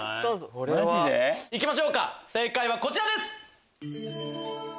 いきましょうか正解はこちらです！